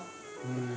うん。